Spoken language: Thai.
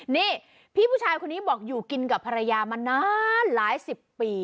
นี่พี่ผู้ชายคนนี้บอกอยู่กินกับภรรยามานานหลายสิบปี